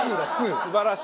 素晴らしい。